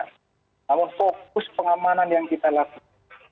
kalau fokus pengamanan yang kita lakukan